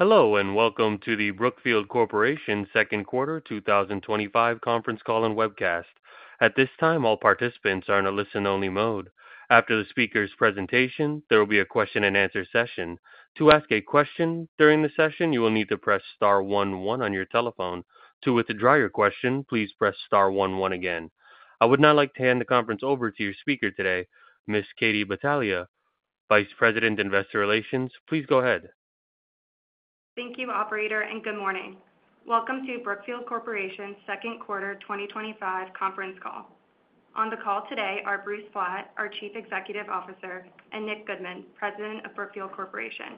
Hello and welcome to the Brookfield Corporation second quarter 2025 conference call and webcast. At this time, all participants are in a listen-only mode. After the speaker's presentation, there will be a question and answer session. To ask a question during the session, you will need to press star one one on your telephone. To withdraw your question, please press star one one again. I would now like to hand the conference over to your speaker today, Ms. Katie Battaglia, Vice President, Investor Relations. Please go ahead. Thank you, Operator, and good morning. Welcome to Brookfield Corporation's second quarter 2025 conference call. On the call today are Bruce Flatt, our Chief Executive Officer, and Nick Goodman, President of Brookfield Corporation.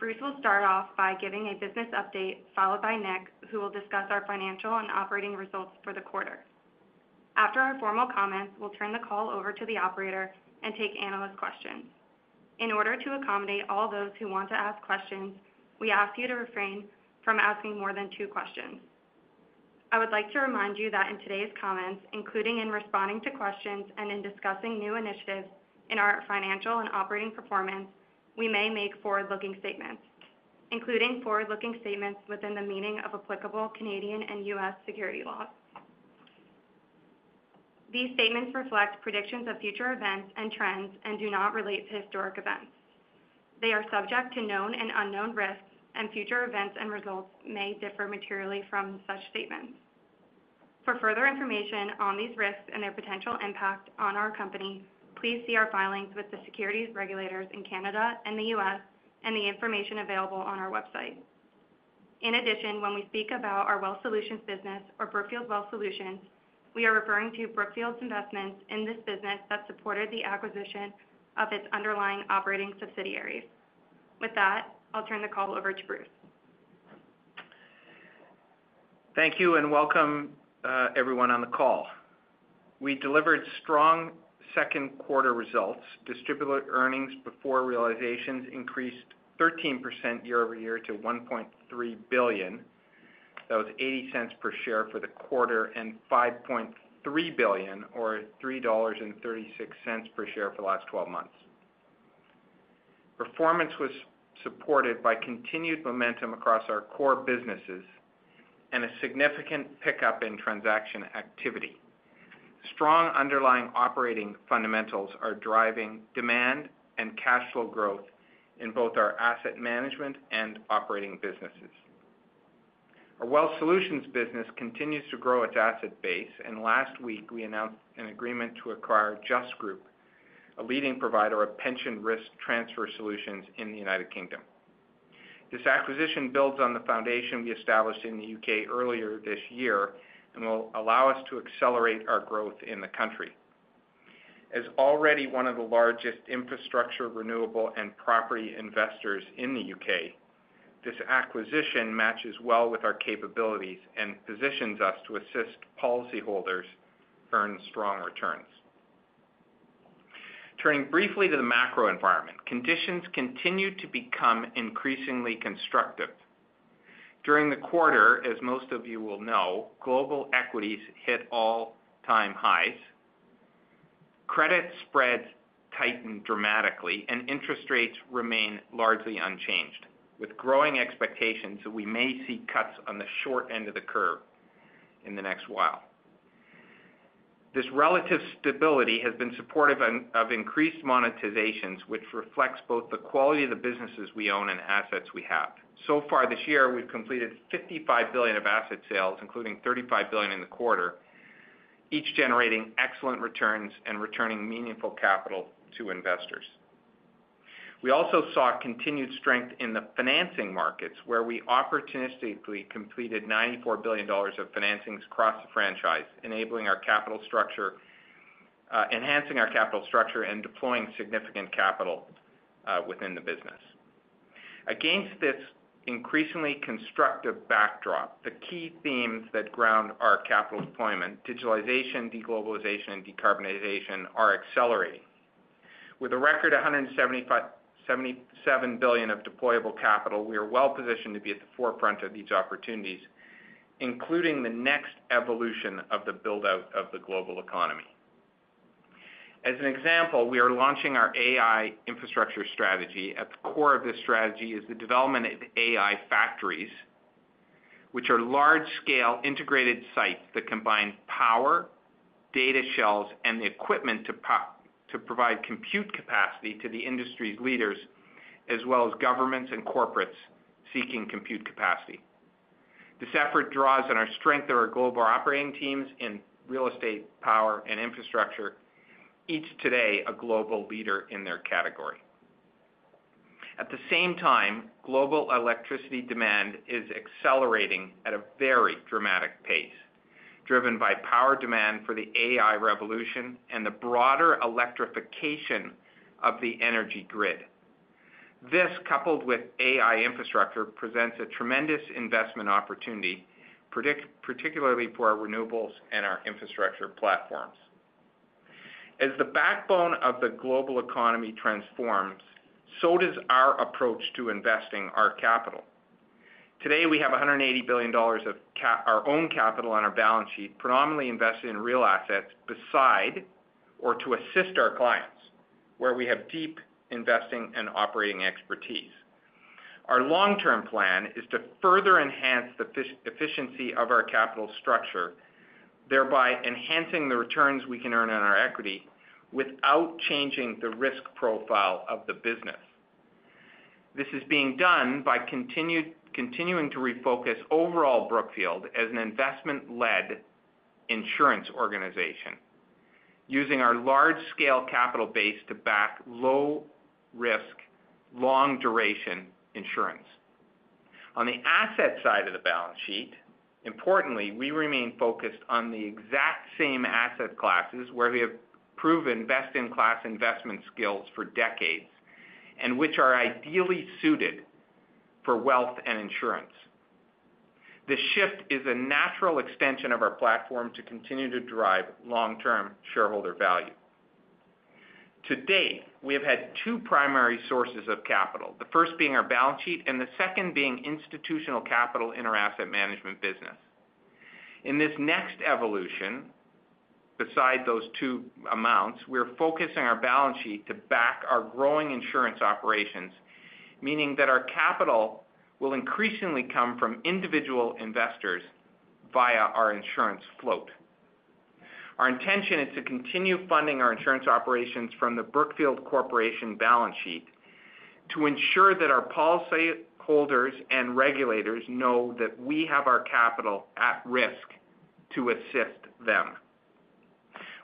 Bruce will start off by giving a business update, followed by Nick, who will discuss our financial and operating results for the quarter. After our formal comments, we'll turn the call over to the Operator and take analyst questions. In order to accommodate all those who want to ask questions, we ask you to refrain from asking more than two questions. I would like to remind you that in today's comments, including in responding to questions and in discussing new initiatives in our financial and operating performance, we may make forward-looking statements, including forward-looking statements within the meaning of applicable Canadian and U.S. security laws. These statements reflect predictions of future events and trends and do not relate to historic events. They are subject to known and unknown risks, and future events and results may differ materially from such statements. For further information on these risks and their potential impact on our company, please see our filings with the securities regulators in Canada and the U.S., and the information available on our website. In addition, when we speak about our wealth solutions business or Brookfield Wealth Solutions, we are referring to Brookfield's investments in this business that supported the acquisition of its underlying operating subsidiaries. With that, I'll turn the call over to Bruce. Thank you and welcome everyone on the call. We delivered strong second quarter results. Distributable earnings before realizations increased 13% year-over-year to $1.3 billion. That was $0.80 per share for the quarter and $5.3 billion, or $3.36 per share for the last 12 months. Performance was supported by continued momentum across our core businesses and a significant pickup in transaction activity. Strong underlying operating fundamentals are driving demand and cash flow growth in both our asset management and operating businesses. Our wealth solutions business continues to grow its asset base, and last week we announced an agreement to acquire Just Group, a leading provider of pension risk transfer solutions in the U.K. This acquisition builds on the foundation we established in the U.K. earlier this year and will allow us to accelerate our growth in the country. As already one of the largest infrastructure, renewable, and property investors in the U.K., this acquisition matches well with our capabilities and positions us to assist policyholders earn strong returns. Turning briefly to the macro environment, conditions continue to become increasingly constructive. During the quarter, as most of you will know, global equities hit all-time highs, credit spreads tightened dramatically, and interest rates remain largely unchanged. With growing expectations, we may see cuts on the short end of the curve in the next while. This relative stability has been supportive of increased monetizations, which reflects both the quality of the businesses we own and assets we have. So far this year, we've completed $55 billion of asset sales, including $35 billion in the quarter, each generating excellent returns and returning meaningful capital to investors. We also saw continued strength in the financing markets, where we opportunistically completed $94 billion of financing across the franchise, enabling our capital structure, enhancing our capital structure, and deploying significant capital within the business. Against this increasingly constructive backdrop, the key themes that ground our capital deployment: digitalization, de-globalization, and decarbonization are accelerating. With a record $177 billion of deployable capital, we are well positioned to be at the forefront of these opportunities, including the next evolution of the build-out of the global economy. As an example, we are launching our AI infrastructure strategy. At the core of this strategy is the development of AI factories, which are large-scale integrated sites that combine power, data centers, and the equipment to provide compute capacity to the industry's leaders, as well as governments and corporates seeking compute capacity. This effort draws on the strength of our global operating teams and real estate, power, and infrastructure, each today a global leader in their category. At the same time, global electricity demand is accelerating at a very dramatic pace, driven by power demand for the AI revolution and the broader electrification of the energy grid. This, coupled with AI infrastructure, presents a tremendous investment opportunity, particularly for our renewables and our infrastructure platforms. As the backbone of the global economy transforms, so does our approach to investing our capital. Today, we have $180 billion of our own capital on our balance sheet, predominantly invested in real assets beside or to assist our clients, where we have deep investing and operating expertise. Our long-term plan is to further enhance the efficiency of our capital structure, thereby enhancing the returns we can earn on our equity without changing the risk profile of the business. This is being done by continuing to refocus overall Brookfield as an investment-led insurance organization, using our large-scale capital base to back low-risk, long-duration insurance. On the asset side of the balance sheet, importantly, we remain focused on the exact same asset classes where we have proven best-in-class investment skills for decades and which are ideally suited for wealth and insurance. This shift is a natural extension of our platform to continue to drive long-term shareholder value. To date, we have had two primary sources of capital, the first being our balance sheet and the second being institutional capital in our asset management business. In this next evolution, beside those two amounts, we're focusing our balance sheet to back our growing insurance operations, meaning that our capital will increasingly come from individual investors via our insurance float. Our intention is to continue funding our insurance operations from the Brookfield Corporation balance sheet to ensure that our policyholders and regulators know that we have our capital at risk to assist them.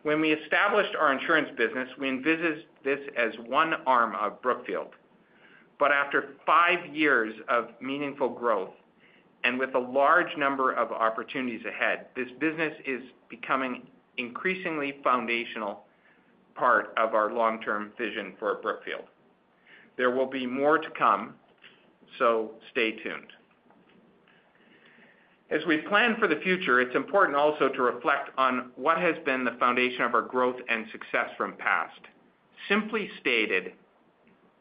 When we established our insurance business, we envisioned this as one arm of Brookfield. After five years of meaningful growth and with a large number of opportunities ahead, this business is becoming an increasingly foundational part of our long-term vision for Brookfield. There will be more to come, so stay tuned. As we plan for the future, it's important also to reflect on what has been the foundation of our growth and success from the past. Simply stated,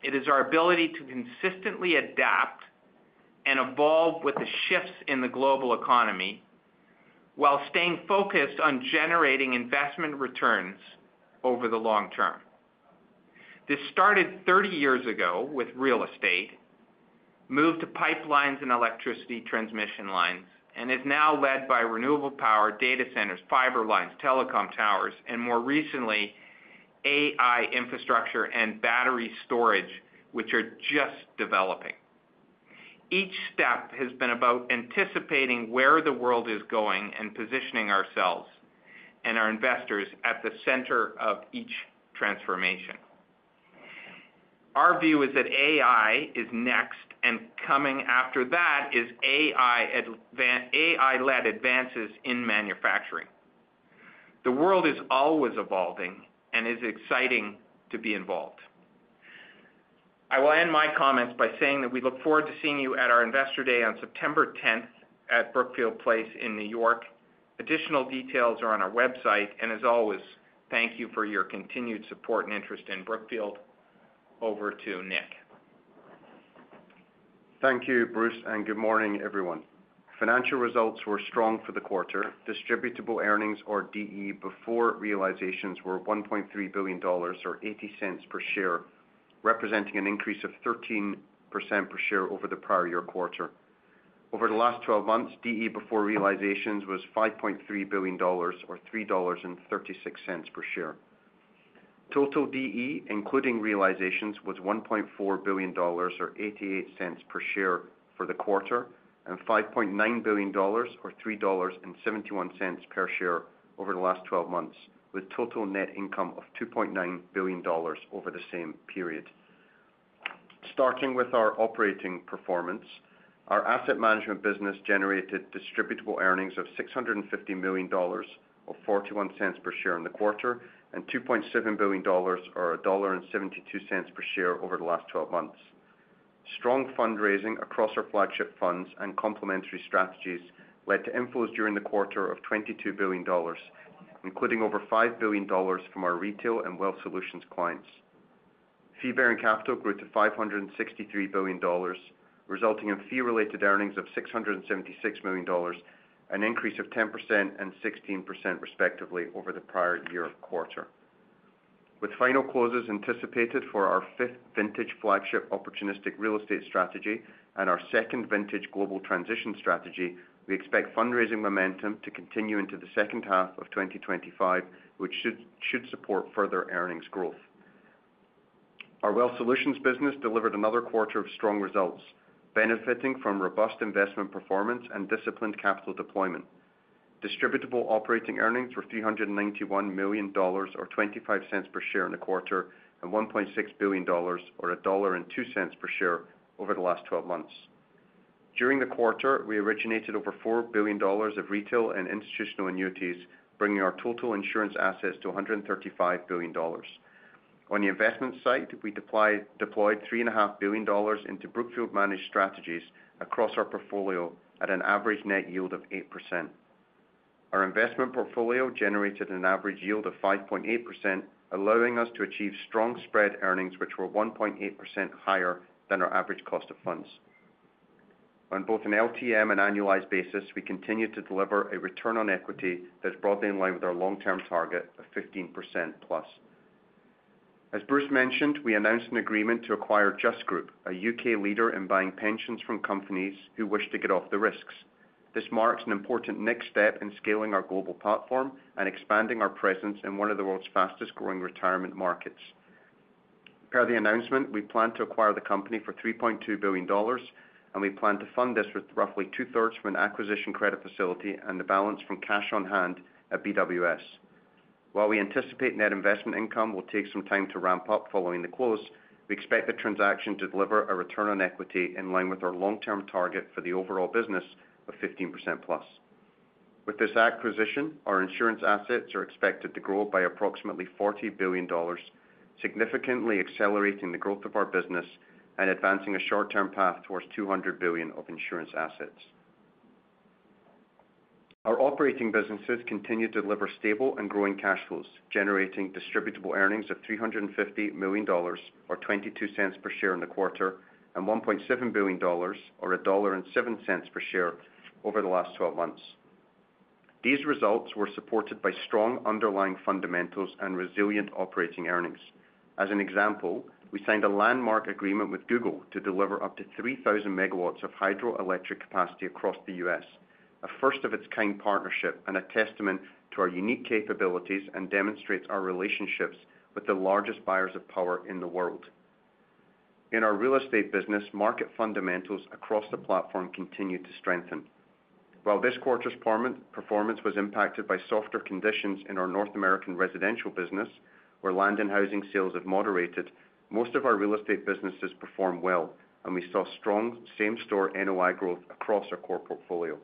it is our ability to consistently adapt and evolve with the shifts in the global economy while staying focused on generating investment returns over the long term. This started 30 years ago with real estate, moved to pipelines and electricity transmission lines, and is now led by renewable power, data centers, fiber lines, telecom towers, and more recently, AI infrastructure and battery storage, which are just developing. Each step has been about anticipating where the world is going and positioning ourselves and our investors at the center of each transformation. Our view is that AI is next, and coming after that is AI-led advances in manufacturing. The world is always evolving and it is exciting to be involved. I will end my comments by saying that we look forward to seeing you at our Investor Day on September 10th at Brookfield Place in New York. Additional details are on our website. As always, thank you for your continued support and interest in Brookfield. Over to Nick. Thank you, Bruce, and good morning, everyone. Financial results were strong for the quarter. Distributable earnings, or DE, before realizations were $1.3 billion, or $0.80 per share, representing an increase of 13% per share over the prior year quarter. Over the last 12 months, DE before realizations was $5.3 billion, or $3.36 per share. Total DE, including realizations, was $1.4 billion, or $0.88 per share for the quarter, and $5.9 billion, or $3.71 per share over the last 12 months, with total net income of $2.9 billion over the same period. Starting with our operating performance, our asset management business generated distributable earnings of $650 million, or $0.41 per share in the quarter, and $2.7 billion, or $1.72 per share over the last 12 months. Strong fundraising across our flagship funds and complementary strategies led to inflows during the quarter of $22 billion, including over $5 billion from our retail and wealth solutions clients. Fee-bearing capital grew to $563 billion, resulting in fee-related earnings of $676 million, an increase of 10% and 16% respectively over the prior year quarter. With final closes anticipated for our fifth vintage flagship opportunistic real estate strategy and our second vintage global transition strategy, we expect fundraising momentum to continue into the second half of 2025, which should support further earnings growth. Our wealth solutions business delivered another quarter of strong results, benefiting from robust investment performance and disciplined capital deployment. Distributable operating earnings were $391 million, or $0.25 per share in the quarter, and $1.6 billion, or $1.02 per share over the last 12 months. During the quarter, we originated over $4 billion of retail and institutional annuities, bringing our total insurance assets to $135 billion. On the investment side, we deployed $3.5 billion into Brookfield-managed strategies across our portfolio at an average net yield of 8%. Our investment portfolio generated an average yield of 5.8%, allowing us to achieve strong spread earnings, which were 1.8% higher than our average cost of funds. On both an LTM and annualized basis, we continue to deliver a return on equity that's broadly in line with our long-term target of 15%+. As Bruce mentioned, we announced an agreement to acquire Just Group, a U.K. leader in buying pensions from companies who wish to get off the risks. This marks an important next step in scaling our global platform and expanding our presence in one of the world's fastest-growing retirement markets. Per the announcement, we plan to acquire the company for $3.2 billion, and we plan to fund this with roughly two thirds from an acquisition credit facility and the balance from cash on hand at BWS. While we anticipate net investment income will take some time to ramp up following the close, we expect the transaction to deliver a return on equity in line with our long-term target for the overall business of 15%+. With this acquisition, our insurance assets are expected to grow by approximately $40 billion, significantly accelerating the growth of our business and advancing a short-term path towards $200 billion of insurance assets. Our operating businesses continue to deliver stable and growing cash flows, generating distributable earnings of $350 million, or $0.22 per share in the quarter, and $1.7 billion, or $1.07 per share over the last 12 months. These results were supported by strong underlying fundamentals and resilient operating earnings. As an example, we signed a landmark agreement with Google to deliver up to 3,000 MW of hydroelectric capacity across the U.S., a first-of-its-kind partnership and a testament to our unique capabilities and demonstrates our relationships with the largest buyers of power in the world. In our real estate business, market fundamentals across the platform continue to strengthen. While this quarter's performance was impacted by softer conditions in our North American residential business, where land and housing sales have moderated, most of our real estate businesses performed well, and we saw strong same-store NOI growth across our core portfolio.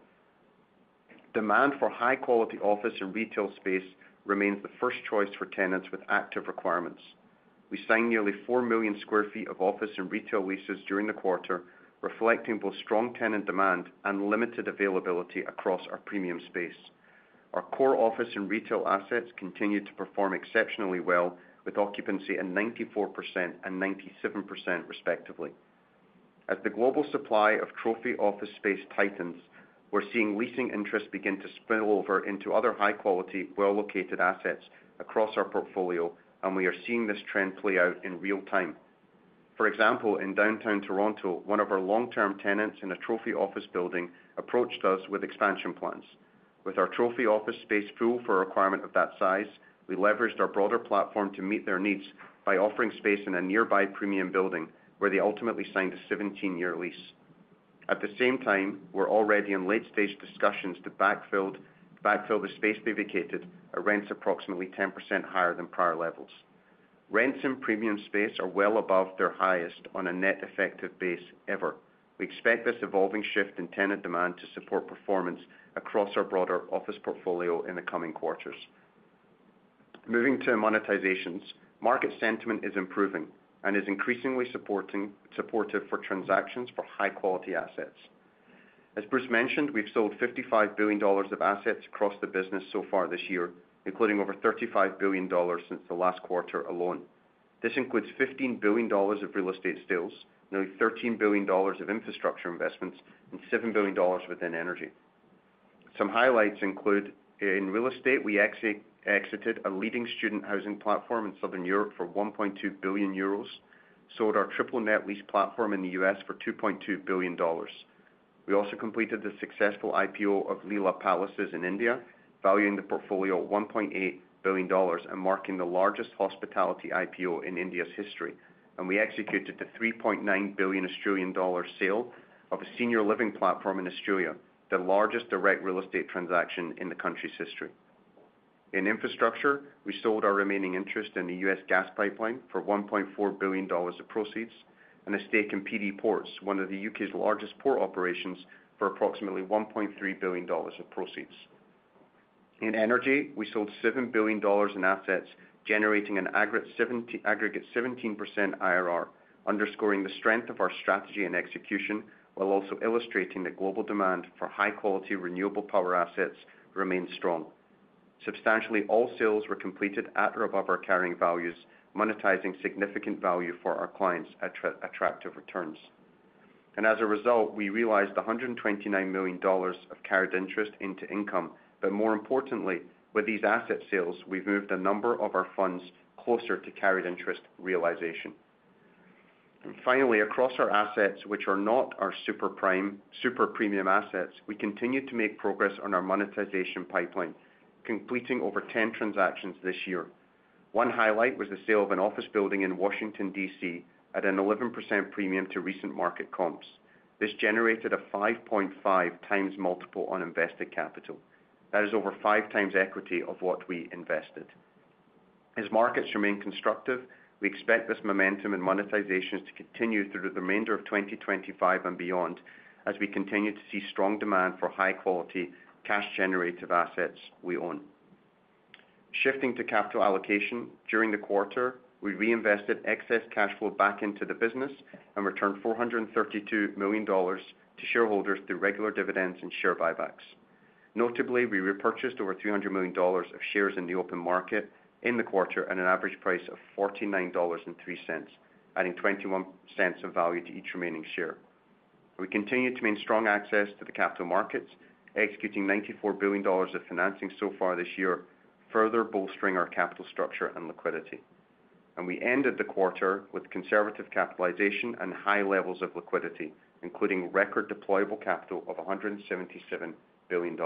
Demand for high-quality office and retail space remains the first choice for tenants with active requirements. We signed nearly 4 million sq ft of office and retail leases during the quarter, reflecting both strong tenant demand and limited availability across our premium space. Our core office and retail assets continue to perform exceptionally well, with occupancy at 94% and 97% respectively. As the global supply of trophy office space tightens, we're seeing leasing interest begin to spill over into other high-quality, well-located assets across our portfolio, and we are seeing this trend play out in real time. For example, in downtown Toronto, one of our long-term tenants in a trophy office building approached us with expansion plans. With our trophy office space full for a requirement of that size, we leveraged our broader platform to meet their needs by offering space in a nearby premium building, where they ultimately signed a 17-year lease. At the same time, we're already in late-stage discussions to backfill the space we vacated at rents approximately 10% higher than prior levels. Rents in premium space are well above their highest on a net effective base ever. We expect this evolving shift in tenant demand to support performance across our broader office portfolio in the coming quarters. Moving to monetizations, market sentiment is improving and is increasingly supportive for transactions for high-quality assets. As Bruce mentioned, we've sold $55 billion of assets across the business so far this year, including over $35 billion since the last quarter alone. This includes $15 billion of real estate sales, nearly $13 billion of infrastructure investments, and $7 billion within energy. Some highlights include in real estate, we exited a leading student housing platform in Southern Europe for 1.2 billion euros, sold our triple net lease platform in the U.S. for $2.2 billion. We also completed the successful IPO of Leela Palaces in India, valuing the portfolio at $1.8 billion and marking the largest hospitality IPO in India's history. We executed the $3.9 billion sale of a senior living platform in Australia, the largest direct real estate transaction in the country's history. In infrastructure, we sold our remaining interest in the U.S. gas pipeline for $1.4 billion of proceeds and a stake in PD Ports, one of the U.K.'s largest port operations, for approximately $1.3 billion of proceeds. In energy, we sold $7 billion in assets, generating an aggregate 17% IRR, underscoring the strength of our strategy and execution, while also illustrating the global demand for high-quality renewable power assets remains strong. Substantially, all sales were completed at or above our carrying values, monetizing significant value for our clients at attractive returns. As a result, we realized $129 million of carried interest into income. More importantly, with these asset sales, we've moved a number of our funds closer to carried interest realization. Across our assets, which are not our super-prime super-premium assets, we continue to make progress on our monetization pipeline, completing over 10 transactions this year. One highlight was the sale of an office building in Washington, DC, at an 11% premium to recent market comps. This generated a 5.5x multiple on invested capital. That is over five times equity of what we invested. As markets remain constructive, we expect this momentum in monetizations to continue through the remainder of 2025 and beyond, as we continue to see strong demand for high-quality cash-generative assets we own. Shifting to capital allocation, during the quarter, we reinvested excess cash flow back into the business and returned $432 million to shareholders through regular dividends and share buybacks. Notably, we repurchased over $300 million of shares in the open market in the quarter at an average price of $49.03, adding $0.21 of value to each remaining share. We continue to maintain strong access to the capital markets, executing $94 billion of financing so far this year, further bolstering our capital structure and liquidity. We ended the quarter with conservative capitalization and high levels of liquidity, including record deployable capital of $177 billion.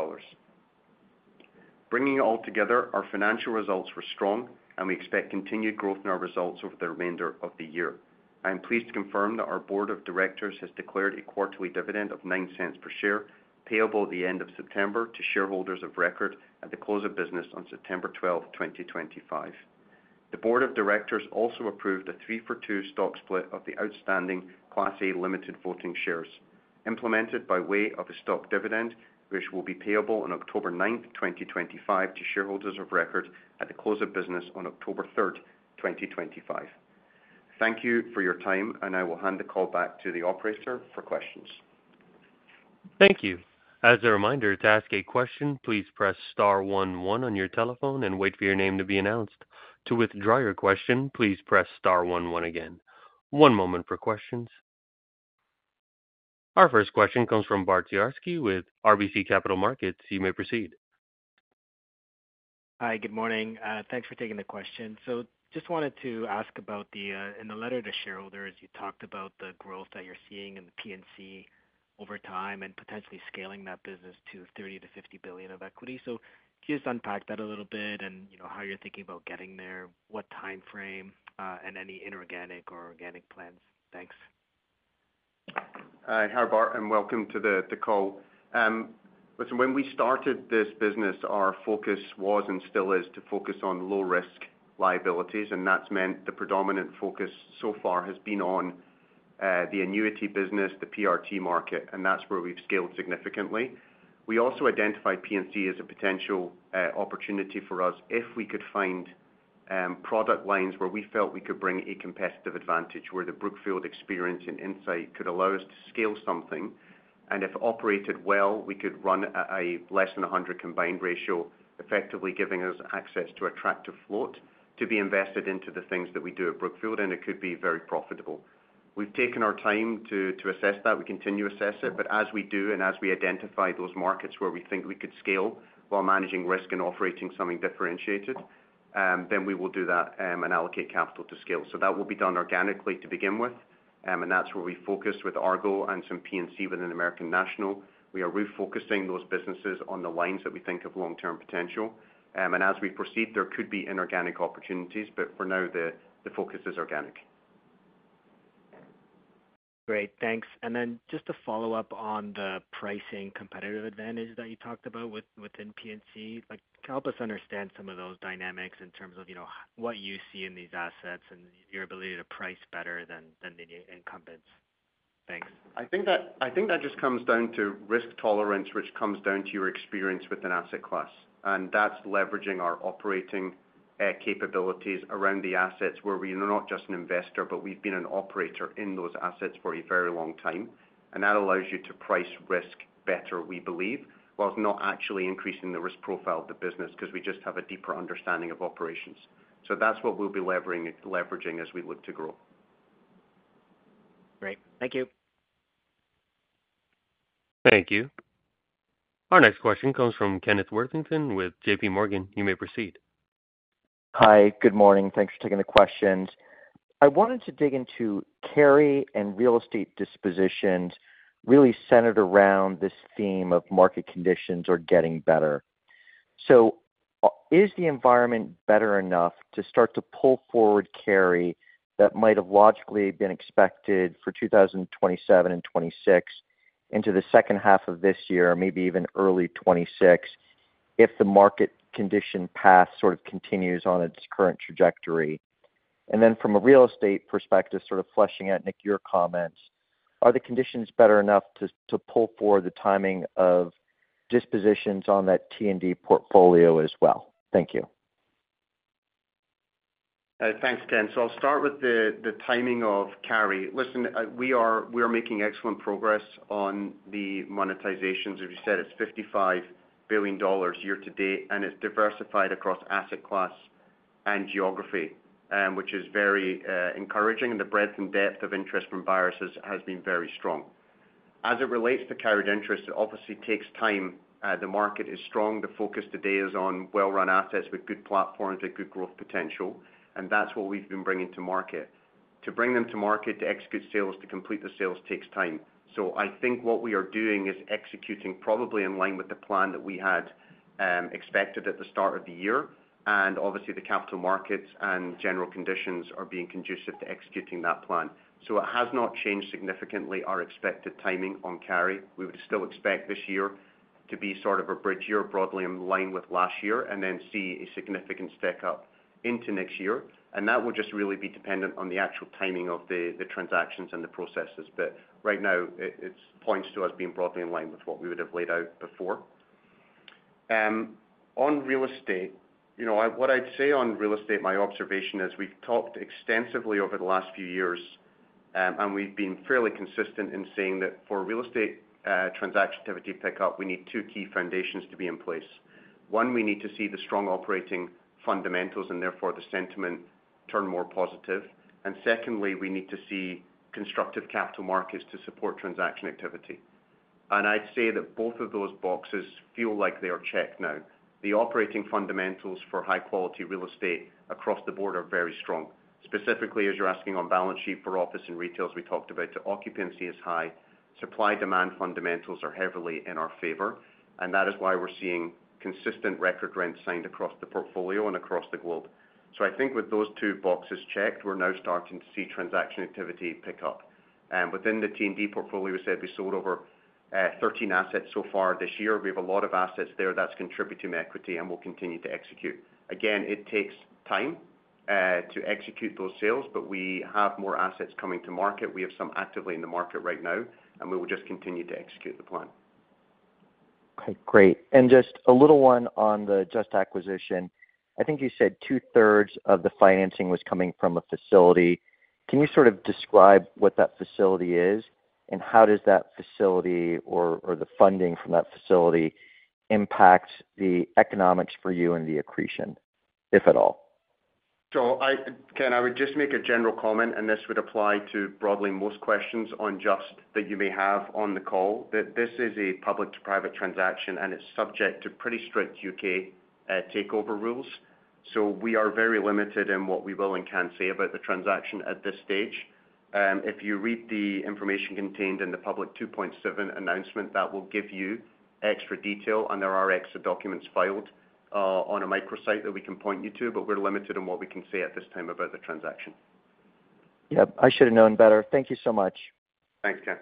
Bringing it all together, our financial results were strong, and we expect continued growth in our results over the remainder of the year. I am pleased to confirm that our Board of Directors has declared a quarterly dividend of $0.09 per share, payable at the end of September to shareholders of record at the close of business on September 12th, 2025. The Board of Directors also approved a three-for-two stock split of the outstanding Class A limited voting shares, implemented by way of a stock dividend, which will be payable on October 9th, 2025, to shareholders of record at the close of business on October 3rd, 2025. Thank you for your time, and I will hand the call back to the Operator for questions. Thank you. As a reminder, to ask a question, please press star one one on your telephone and wait for your name to be announced. To withdraw your question, please press star one one again. One moment for questions. Our first question comes from Bart Jarski with RBC Capital Markets. You may proceed. Hi, good morning. Thanks for taking the question. In the letter to shareholders, you talked about the growth that you're seeing in the PNC over time and potentially scaling that business to $30-$50 billion of equity. Just unpack that a little bit and how you're thinking about getting there, what time frame, and any inorganic or organic plans. Thanks. Hi, Bart, and welcome to the call. Listen, when we started this business, our focus was and still is to focus on low-risk liabilities, and that's meant the predominant focus so far has been on the annuity business, the PRT market, and that's where we've scaled significantly. We also identified PNC as a potential opportunity for us if we could find product lines where we felt we could bring a competitive advantage, where the Brookfield experience and insight could allow us to scale something. If it operated well, we could run a less than 100% combined ratio, effectively giving us access to attractive float to be invested into the things that we do at Brookfield, and it could be very profitable. We've taken our time to assess that. We continue to assess it. As we do and as we identify those markets where we think we could scale while managing risk and operating something differentiated, we will do that and allocate capital to scale. That will be done organically to begin with, and that's where we focus with Argo and some PNC within American National. We are refocusing those businesses on the lines that we think have long-term potential. As we proceed, there could be inorganic opportunities, but for now, the focus is organic. Great, thanks. Just to follow up on the pricing competitive advantage that you talked about within PNC, help us understand some of those dynamics in terms of what you see in these assets and your ability to price better than the incumbents. Thanks. I think that just comes down to risk tolerance, which comes down to your experience with an asset class. That's leveraging our operating capabilities around the assets where we are not just an investor, but we've been an operator in those assets for a very long time. That allows you to price risk better, we believe, whilst not actually increasing the risk profile of the business because we just have a deeper understanding of operations. That's what we'll be leveraging as we look to grow. Great, thank you. Thank you. Our next question comes from Kenneth Worthington with JPMorgan. You may proceed. Hi, good morning. Thanks for taking the questions. I wanted to dig into carry and real estate dispositions really centered around this theme of market conditions or getting better. Is the environment better enough to start to pull forward carry that might have logically been expected for 2027 and 2026 into the second half of this year, maybe even early 2026, if the market condition path sort of continues on its current trajectory? From a real estate perspective, fleshing out, Nick, your comments, are the conditions better enough to pull forward the timing of dispositions on that T&D portfolio as well? Thank you. Thanks, Ken. I'll start with the timing of carry. We are making excellent progress on the monetizations. As you said, it's $55 billion year to date, and it's diversified across asset class and geography, which is very encouraging. The breadth and depth of interest from buyers has been very strong. As it relates to carried interest, it obviously takes time. The market is strong. The focus today is on well-run assets with good platforms with good growth potential. That's what we've been bringing to market. To bring them to market, to execute sales, to complete the sales takes time. I think what we are doing is executing probably in line with the plan that we had expected at the start of the year. Obviously, the capital markets and general conditions are being conducive to executing that plan. It has not changed significantly our expected timing on carry. We would still expect this year to be sort of a bridge year broadly in line with last year and then see a significant step up into next year. That will just really be dependent on the actual timing of the transactions and the processes. Right now, it points to us being broadly in line with what we would have laid out before. On real estate, what I'd say on real estate, my observation is we've talked extensively over the last few years, and we've been fairly consistent in saying that for real estate transaction activity pickup, we need two key foundations to be in place. One, we need to see the strong operating fundamentals and therefore the sentiment turn more positive. Secondly, we need to see constructive capital markets to support transaction activity. I'd say that both of those boxes feel like they are checked now. The operating fundamentals for high-quality real estate across the board are very strong. Specifically, as you're asking on balance sheet for office and retails, we talked about that occupancy is high. Supply-demand fundamentals are heavily in our favor. That is why we're seeing consistent record rents signed across the portfolio and across the globe. I think with those two boxes checked, we're now starting to see transaction activity pick up. Within the T&D portfolio, we said we sold over 13 assets so far this year. We have a lot of assets there that's contributing to equity and will continue to execute. It takes time to execute those sales, but we have more assets coming to market. We have some actively in the market right now, and we will just continue to execute the plan. Okay, great. Just a little one on the Just acquisition. I think you said two thirds of the financing was coming from a facility. Can you sort of describe what that facility is, and how does that facility or the funding from that facility impact the economics for you and the accretion, if at all? Ken, I would just make a general comment, and this would apply to broadly most questions on Just that you may have on the call, that this is a public-to-private transaction and it's subject to pretty strict U.K. takeover rules. We are very limited in what we will and can say about the transaction at this stage. If you read the information contained in the public 2.7 announcement, that will give you extra detail. There are extra documents filed on a microsite that we can point you to, but we're limited in what we can say at this time about the transaction. Yeah, I should have known better. Thank you so much. Thanks, Ken.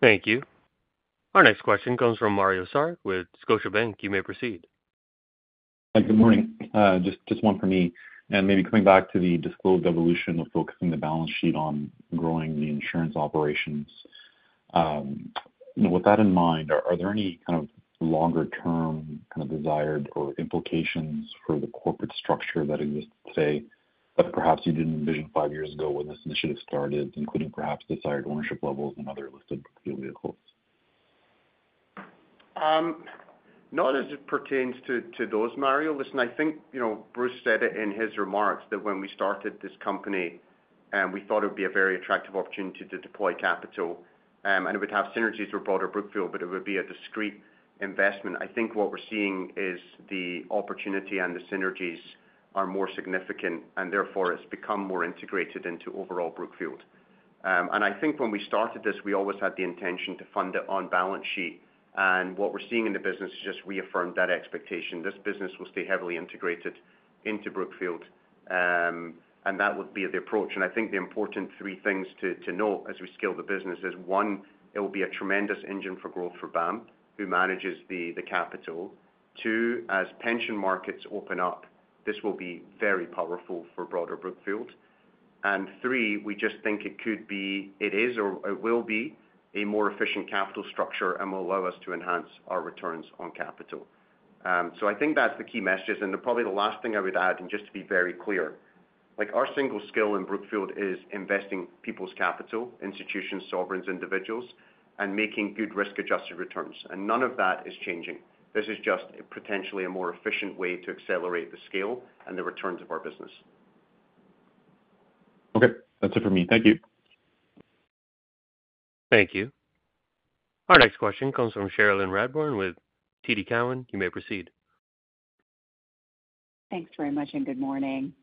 Thank you. Our next question comes from Mario Saric with Scotiabank. You may proceed. Hi, good morning. Just one for me. Maybe coming back to the disclosed evolution of focusing the balance sheet on growing the insurance operations. With that in mind, are there any kind of longer-term desired or implications for the corporate structure that exists, say, that perhaps you didn't envision five years ago when this initiative started, including perhaps the desired ownership levels and other listed vehicles? Not as it pertains to those, Mario. Listen, I think, you know, Bruce said it in his remarks that when we started this company, we thought it would be a very attractive opportunity to deploy capital. It would have synergies with broader Brookfield, but it would be a discrete investment. I think what we're seeing is the opportunity and the synergies are more significant, and therefore it's become more integrated into overall Brookfield. I think when we started this, we always had the intention to fund it on balance sheet. What we're seeing in the business has just reaffirmed that expectation. This business will stay heavily integrated into Brookfield. That would be the approach. I think the important three things to note as we scale the business is, one, it will be a tremendous engine for growth for BAM, who manages the capital. Two, as pension markets open up, this will be very powerful for broader Brookfield. Three, we just think it could be, it is, or it will be a more efficient capital structure and will allow us to enhance our returns on capital. I think that's the key messages. Probably the last thing I would add, and just to be very clear, like our single skill in Brookfield is investing people's capital, institutions, sovereigns, individuals, and making good risk-adjusted returns. None of that is changing. This is just potentially a more efficient way to accelerate the scale and the returns of our business. Okay, that's it for me. Thank you. Thank you. Our next question comes from Sherilyn Radborn with TD Cowen. You may proceed. Thanks very much and good morning.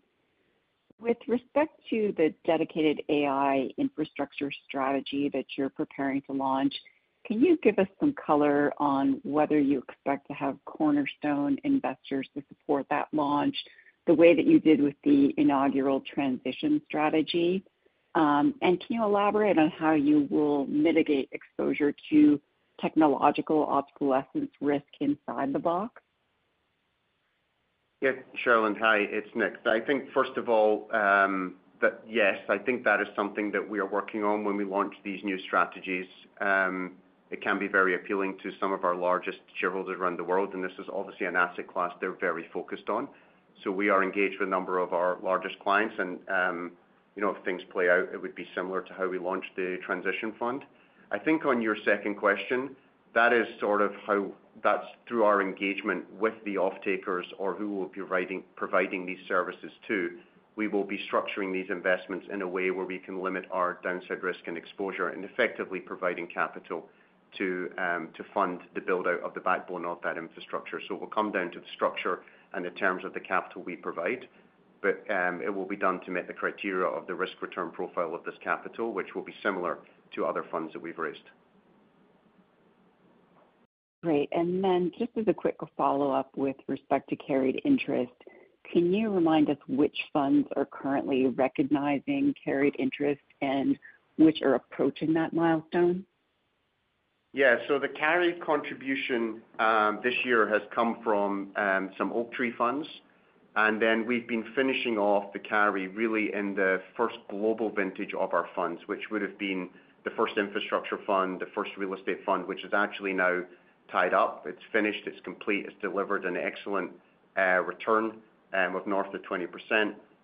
With respect to the dedicated AI infrastructure strategy that you're preparing to launch, can you give us some color on whether you expect to have cornerstone investors to support that launch the way that you did with the inaugural transition strategy? Can you elaborate on how you will mitigate exposure to technological obsolescence risk inside the box? Yeah, Cherilyn, hi, it's Nick. First of all, yes, I think that is something that we are working on when we launch these new strategies. It can be very appealing to some of our largest shareholders around the world. This is obviously an asset class they're very focused on. We are engaged with a number of our largest clients. If things play out, it would be similar to how we launched the transition fund. On your second question, that is sort of how that's through our engagement with the off-takers or who will be providing these services too. We will be structuring these investments in a way where we can limit our downside risk and exposure and effectively providing capital to fund the build-out of the backbone of that infrastructure. It will come down to the structure and the terms of the capital we provide. It will be done to meet the criteria of the risk return profile of this capital, which will be similar to other funds that we've raised. Great. Just as a quick follow-up with respect to carried interest, can you remind us which funds are currently recognizing carried interest and which are approaching that milestone? Yeah, so the carried contribution this year has come from some Oaktree funds. We've been finishing off the carry in the first global vintage of our funds, which would have been the first infrastructure fund, the first real estate fund, which is actually now tied up. It's finished, it's complete, it's delivered an excellent return of north of 20%.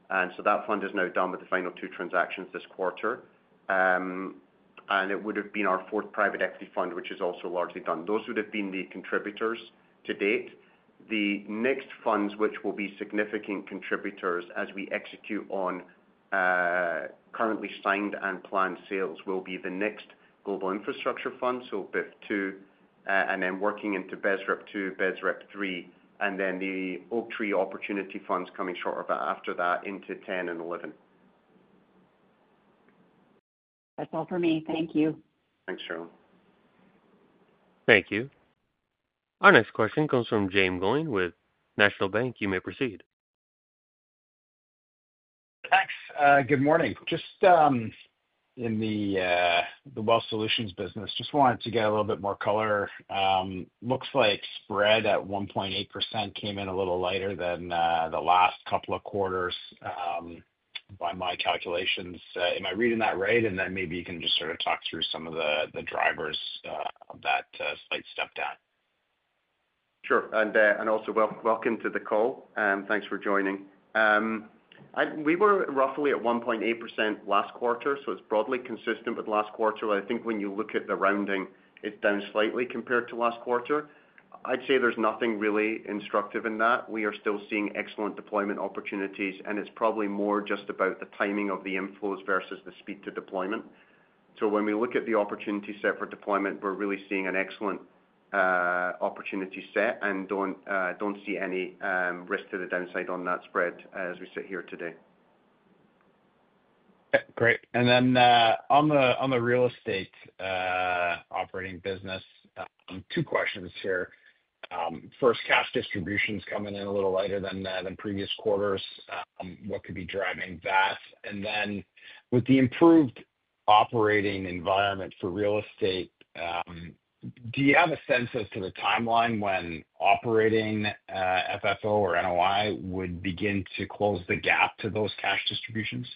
That fund is now done with the final two transactions this quarter. It would have been our fourth private equity fund, which is also largely done. Those would have been the contributors to date. The next funds, which will be significant contributors as we execute on currently signed and planned sales, will be the next global infrastructure fund, so BIF2, and then working into BESREP2, BESREP3, and then the Oaktree opportunity funds coming shortly after that into 10 and 11. That's all for me. Thank you. Thanks, Cherilyn. Thank you. Our next question comes from James Billing with National Bank. You may proceed. Thanks. Good morning. Just in the wealth solutions business, just wanted to get a little bit more color. Looks like spread at 1.8% came in a little lighter than the last couple of quarters by my calculations. Am I reading that right? Maybe you can just sort of talk through some of the drivers of that slight step down. Sure. Also, welcome to the call. Thanks for joining. We were roughly at 1.8% last quarter, so it's broadly consistent with last quarter. I think when you look at the rounding, it's down slightly compared to last quarter. I'd say there's nothing really instructive in that. We are still seeing excellent deployment opportunities, and it's probably more just about the timing of the inflows versus the speed to deployment. When we look at the opportunity set for deployment, we're really seeing an excellent opportunity set and don't see any risk to the downside on that spread as we sit here today. Great. On the real estate operating business, two questions here. First, cash distributions coming in a little lighter than previous quarters. What could be driving that? With the improved operating environment for real estate, do you have a sense as to the timeline when operating FFO or NOI would begin to close the gap to those cash distributions?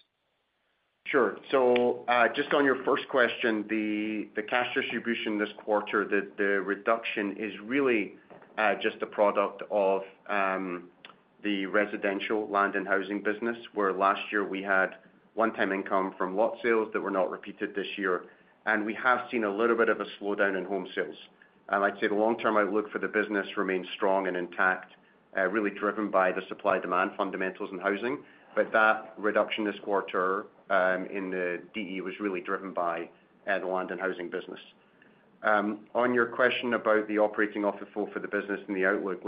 Sure. So just on your first question, the cash distribution this quarter, the reduction is really just the product of the residential land and housing business, where last year we had one-time income from lot sales that were not repeated this year. We have seen a little bit of a slowdown in home sales. I'd say the long-term outlook for the business remains strong and intact, really driven by the supply-demand fundamentals in housing. That reduction this quarter in the DE was really driven by the land and housing business. On your question about the operating FFO for the business and the outlook,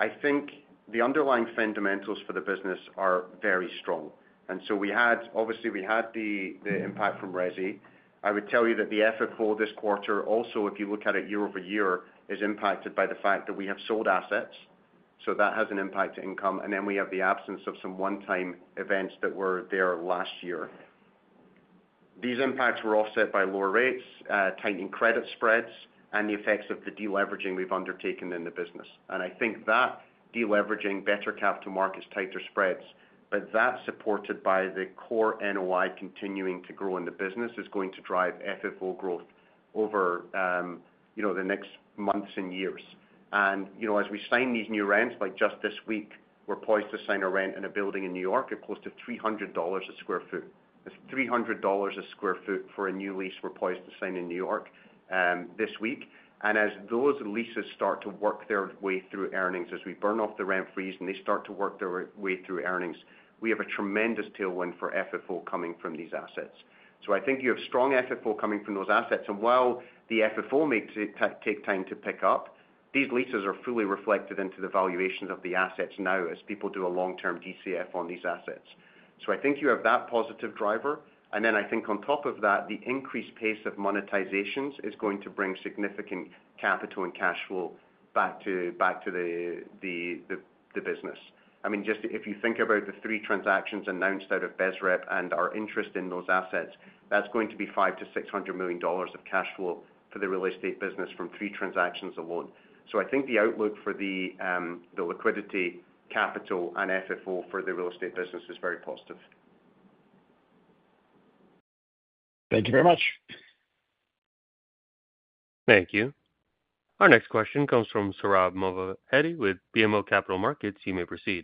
I think the underlying fundamentals for the business are very strong. We had, obviously, the impact from RESI. I would tell you that the FFO this quarter, also, if you look at it year-over-year, is impacted by the fact that we have sold assets. That has an impact to income. We have the absence of some one-time events that were there last year. These impacts were offset by lower rates, tightening credit spreads, and the effects of the deleveraging we've undertaken in the business. I think that deleveraging, better capital markets, tighter spreads, supported by the core NOI continuing to grow in the business, is going to drive FFO growth over the next months and years. As we sign these new rents, like just this week, we're poised to sign a rent in a building in New York at close to $300 a sq ft. That's $300 a sq ft for a new lease we're poised to sign in New York this week. As those leases start to work their way through earnings, as we burn off the rent freeze and they start to work their way through earnings, we have a tremendous tailwind for FFO coming from these assets. I think you have strong FFO coming from those assets. While the FFO may take time to pick up, these leases are fully reflected into the valuations of the assets now as people do a long-term DCF on these assets. I think you have that positive driver. On top of that, the increased pace of monetizations is going to bring significant capital and cash flow back to the business. If you think about the three transactions announced out of BESREP and our interest in those assets, that's going to be $500 million-$600 million of cash flow for the real estate business from three transactions alone. I think the outlook for the liquidity, capital, and FFO for the real estate business is very positive. Thank you very much. Thank you. Our next question comes from Surab Movaedi with BMO Capital Markets. You may proceed.